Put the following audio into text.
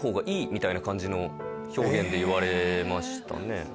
みたいな感じの表現で言われましたね。